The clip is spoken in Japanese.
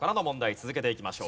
続けていきましょう。